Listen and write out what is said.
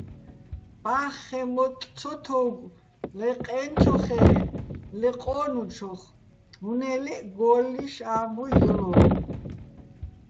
ბა́ხხეჼ მოტტ ცო თო́უგო̆ ლე ყაჲნჩოხე́ ლე ყო́ნუჩოხ, უ̂ნე ლე́ჸ გო́ლლიშ ა́მბუჲ ჲო́ლო̆.